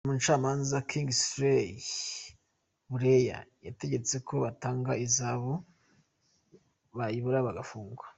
Umucamanza Kingsley Buleya yategetse ko batanga ihazabu, bayibura bagafungwa.